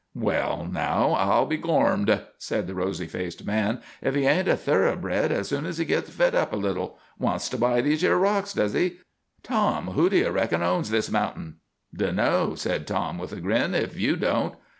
"Well, now, I'll be gormed," said the rosy faced man, "if he ain't a thoroughbred as soon's he gits fed up a little. Wants to buy these yer rocks, does he? Tom, who do you reckon owns this mounting?" "Dunno," said Tom, with a grin, "if you don't."